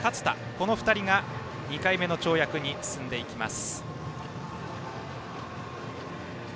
この２人が２回目の跳躍に進んでいきます。